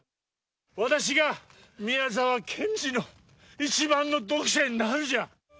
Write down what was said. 私が宮沢賢治の一番の読者になるんじゃ。